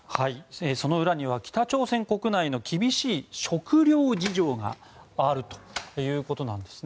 その裏には北朝鮮国内の厳しい食糧事情があるということなんです。